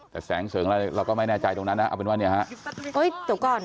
แต่แสงเสริงอะไรเราก็ไม่แน่ใจตรงนั้นนะเอาเป็นว่าเนี่ยฮะเอ้ยเดี๋ยวก่อน